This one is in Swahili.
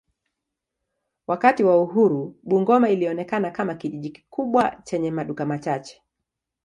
Wakati wa uhuru Bungoma ilionekana kama kijiji kikubwa chenye maduka machache.